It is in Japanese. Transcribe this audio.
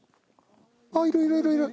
あっいるいるいるいる。